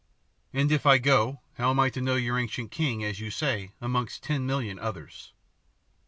"And if I go how am I to know your ancient king, as you say, amongst ten million others?"